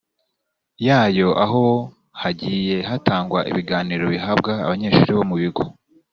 yayo aho hagiye hatangwa ibiganiro bihabwa abanyeshuri bo mu bigo